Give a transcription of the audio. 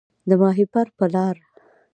د ماهیپر په لار